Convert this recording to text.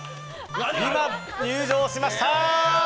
今、入場しました！